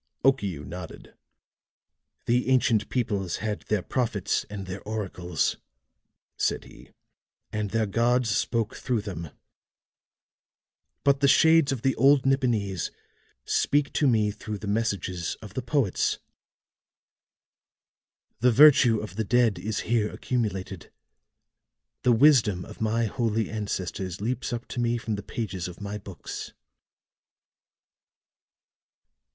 Okiu nodded. "The ancient peoples had their prophets and their oracles," said he, "and their gods spoke through them. But the shades of the old Nipponese speak to me through the messages of the poets. The virtue of the dead is here accumulated; the wisdom of my holy ancestors leaps up to me from the pages of my books."